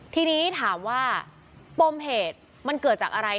ทีนี้ถามว่าปมเหตุมันเกิดจากอะไร